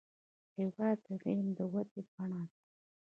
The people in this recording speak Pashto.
هېواد د علم د ودې بڼه ده.